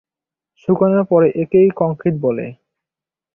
শুকানোর পর একেই কংক্রিট বলে।